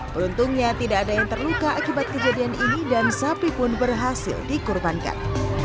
beruntungnya tidak ada yang terluka akibat kejadian ini dan sapi pun berhasil dikurbankan